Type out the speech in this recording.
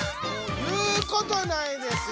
もう言うことないです。